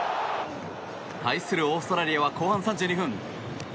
対するオーストラリアは後半３２分。